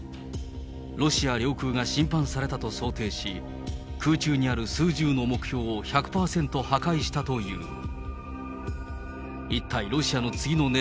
ロシア領空が侵犯されたと想定し、空中にある数十の目標を１００％破壊したという。